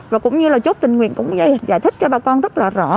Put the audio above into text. và cũng như là chốt tình nguyện cũng giải thích cho bà con rất là rõ